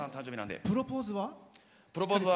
プロポーズは？